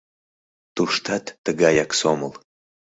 Туштат тыгаяк сомыл.